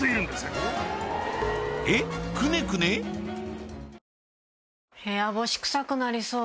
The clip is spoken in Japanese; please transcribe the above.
えっ部屋干しクサくなりそう。